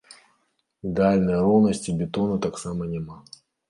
Ідэальнай роўнасці бетону таксама няма.